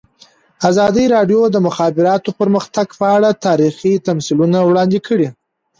ازادي راډیو د د مخابراتو پرمختګ په اړه تاریخي تمثیلونه وړاندې کړي.